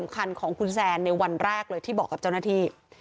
คันของคุณแซนในวันแรกเลยที่บอกกับเจ้าหน้าที่